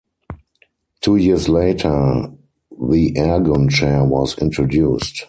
Two years later, the Ergon chair was introduced.